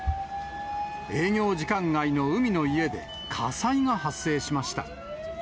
営業時間外の海の家で火災が発生しました。